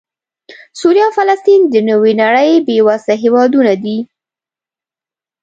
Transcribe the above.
سوریه او فلسطین د نوې نړۍ بېوزله هېوادونه دي